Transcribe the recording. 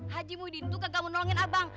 haji muhyiddin tuh kagak mau nolongin abang